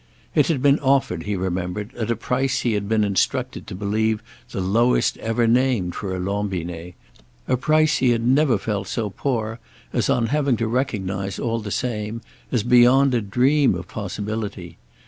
It had been offered, he remembered, at a price he had been instructed to believe the lowest ever named for a Lambinet, a price he had never felt so poor as on having to recognise, all the same, as beyond a dream of possibility.